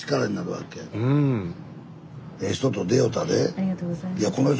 ありがとうございます。